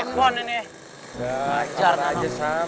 udah sabar aja sam